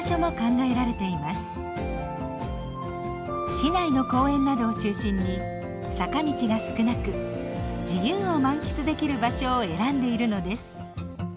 市内の公園などを中心に坂道が少なく自由を満喫できる場所を選んでいるのです。